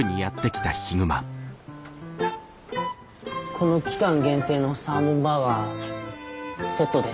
この期間限定のサーモンバーガーセットで。